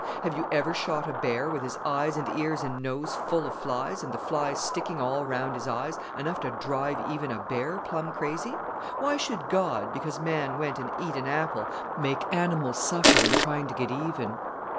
Have you ever shot a bear, with his eyes and ears and nose full of flies, and the flies sticking all round his eyes, enough to drive even a bear plumb crazy? Why should God, because man went and eat an apple, make animals suffer in trying to get even?"